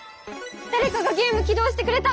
だれかがゲーム起動してくれた！